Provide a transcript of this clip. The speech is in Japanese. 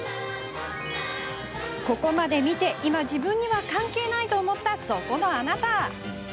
ここまで見て、今、自分には関係ないと思った、そこのあなた。